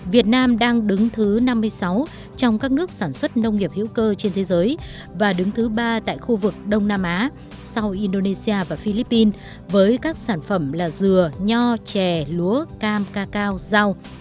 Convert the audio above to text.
việt nam đang đứng thứ năm mươi sáu trong các nước sản xuất nông nghiệp hữu cơ trên thế giới và đứng thứ ba tại khu vực đông nam á sau indonesia và philippines với các sản phẩm là dừa nho chè lúa cam cacao rau